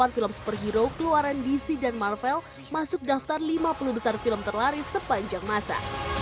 delapan film superhero keluaran dc dan marvel masuk daftar lima puluh besar film terlari sepanjang masa